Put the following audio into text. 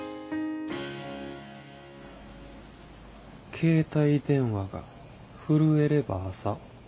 「携帯電話が震えれば朝」。